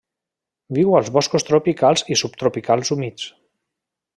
Viu als boscos tropicals i subtropicals humits.